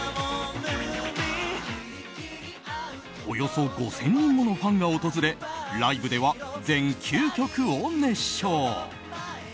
およそ５０００人ものファンが訪れライブでは全９曲を熱唱。